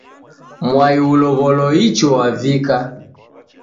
Mwai ulow'olo icho wavika